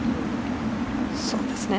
そうですね。